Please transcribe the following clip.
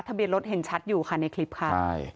เบียนรถเห็นชัดอยู่ค่ะในคลิปค่ะใช่